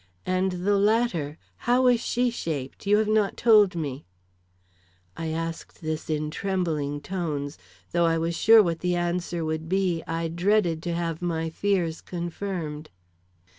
"And the latter? How was she shaped? You have not told me." I asked this in trembling tones. Though I was sure what the answer would be, I dreaded to have my fears confirmed.